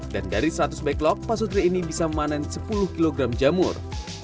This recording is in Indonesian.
dan dari seratus backlog pak sutri ini bisa memanen sepuluh kg jamur